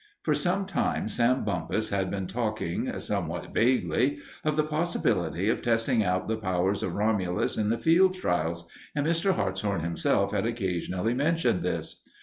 For some time Sam Bumpus had been talking, somewhat vaguely, of the possibility of testing out the powers of Romulus in the field trials, and Mr. Hartshorn himself had occasionally mentioned this.